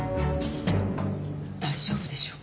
大丈夫でしょうか？